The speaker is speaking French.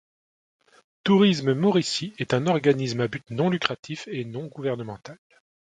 Tourisme Mauricie est un organisme à but non lucratif et non gouvernemental.